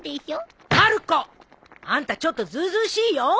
まる子！あんたちょっとずうずうしいよ。